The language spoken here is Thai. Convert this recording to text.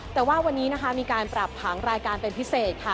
แต่ว่าวันนี้นะคะมีการปรับผังรายการเป็นพิเศษค่ะ